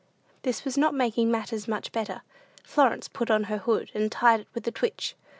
This was not making matters much better. Florence put on her hood, and tied it with a twitch.